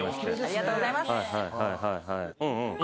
ありがとうございます！